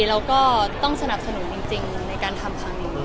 เราก็ต้องสนับสนุนจริงในการทำครั้งนี้